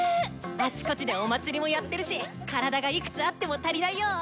あちこちでお祭りもやってるし体がいくつあっても足りないよ！